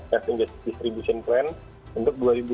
testing distribution plan untuk dua ribu dua puluh